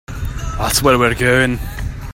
That's where I'm going.